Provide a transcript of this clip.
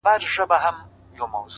ماته ژړا نه راځي کله چي را یاد کړم هغه!